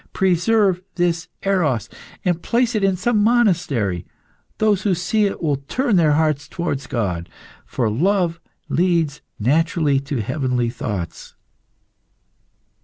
Preserve this Eros, and place it in some monastery. Those who see it will turn their hearts towards God, for love leads naturally to heavenly thoughts."